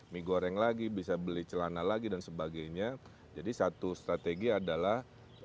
mie goreng lagi bisa beli celana lagi dan sebagainya jadi satu strategi adalah